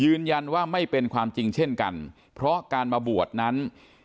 ยืนยันว่าไม่เป็นความจริงเช่นกันเพราะการมาบวชนั้น